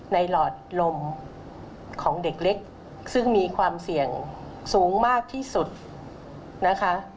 หลอดลมของเด็กเล็กซึ่งมีความเสี่ยงสูงมากที่สุดนะคะ